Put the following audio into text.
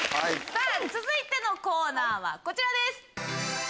さぁ続いてのコーナーはこちらです。